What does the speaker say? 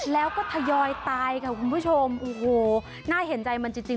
แล้วก็ทยอยตายค่ะคุณผู้ชมโอ้โหน่าเห็นใจมันจริงจริง